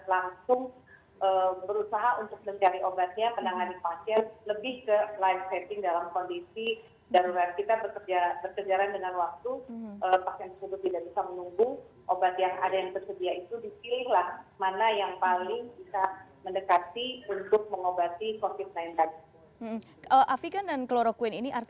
kami berusaha nanti memberikan langsungan langsungan kepada pemerintah dan pemerintah pemerintah untuk memberikan perhatian perhatian yang sekiranya dapat menjadi satu penyulit